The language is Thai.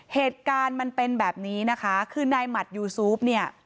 เหตุการณ์มันเป็นแบบนี้นะคะคือนายหมัดยูซูฟเนี่ย